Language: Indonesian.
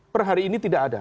perhari ini tidak ada